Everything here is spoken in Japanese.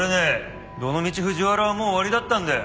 どのみち藤原はもう終わりだったんだよ。